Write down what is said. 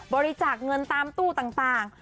บริจาคเงินตามตู้ต่าง